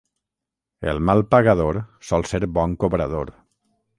El mal pagador sol ser bon cobrador.